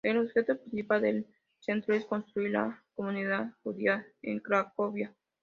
El objetivo principal del Centro es construir la comunidad Judía en Cracovia.